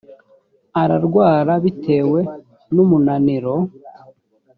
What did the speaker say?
ararwara bitewe numunaniro.